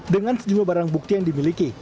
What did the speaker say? dengan sejumlah barang bukti yang dimiliki